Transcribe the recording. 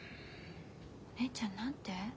お姉ちゃん何て？